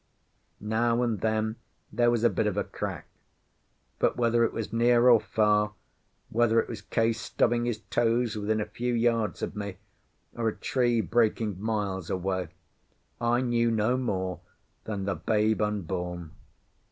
Now and then there was a bit of a crack; but whether it was near or far, whether it was Case stubbing his toes within a few yards of me, or a tree breaking miles away, I knew no more than the babe unborn.